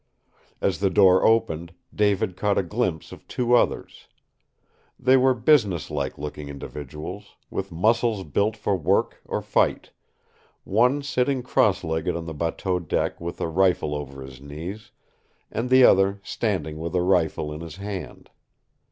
As the door opened, David caught a glimpse of two others. They were business like looking individuals, with muscles built for work or fight; one sitting cross legged on the bateau deck with a rifle over his knees, and the other standing with a rifle in his hand.